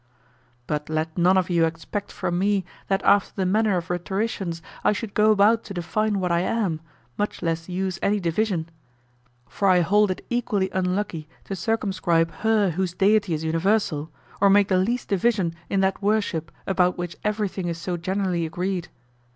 But let none of you expect from me that after the manner of rhetoricians I should go about to define what I am, much less use any division; for I hold it equally unlucky to circumscribe her whose deity is universal, or make the least division in that worship about which everything is so generally agreed.